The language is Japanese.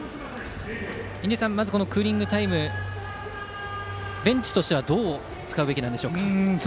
印出さん、クーリングタイムベンチとしてはどう使うべきでしょうか。